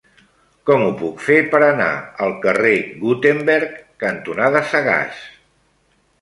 Com ho puc fer per anar al carrer Gutenberg cantonada Sagàs?